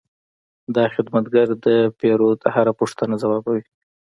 دا خدمتګر د پیرود هره پوښتنه ځوابوي.